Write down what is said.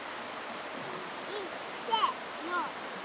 いっせのせ！